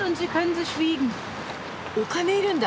お金いるんだ！